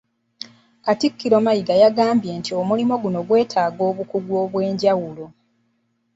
Katikkiro Mayiga yagamba nti omulimu guno gwetaaga obukugu obwenjawulo